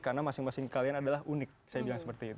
karena masing masing kalian adalah unik saya bilang seperti itu